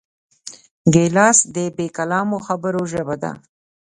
ګیلاس د بېکلامو خبرو ژبه ده.